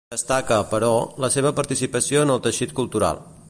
Destaca, però, la seva participació en el teixit cultural.